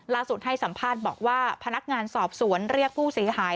ให้สัมภาษณ์บอกว่าพนักงานสอบสวนเรียกผู้เสียหาย